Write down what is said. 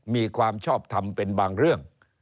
มีความชอบทำเป็นบางเรื่อง